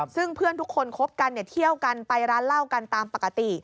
ซึ่งเพื่อนทุกคนคบกันเที่ยวกันไปร้านเหล้ากันตามปกติ